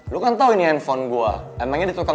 di mana ada yang lufirst look in